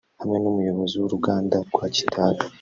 hamwe n’umuyobozi w’uruganda rwa Kitabi